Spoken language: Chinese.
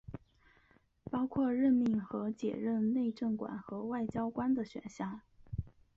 包括任命和解任内政管和外交官的选项。